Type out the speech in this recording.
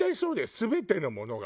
全てのものが。